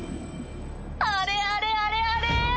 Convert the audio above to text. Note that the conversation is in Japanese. あれあれあれあれ？